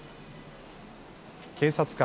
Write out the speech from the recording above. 警察官